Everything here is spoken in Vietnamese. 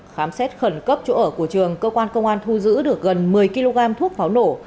khám xét khẩn cấp chỗ ở của trường cơ quan công an thu giữ được gần một mươi kg thuốc pháo nổ